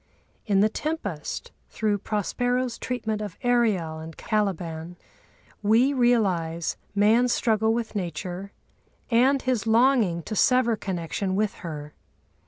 In the Tempest, through Prospero's treatment of Ariel and Caliban we realise man's struggle with Nature and his longing to sever connection with her.